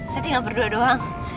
saya tinggal berdua doang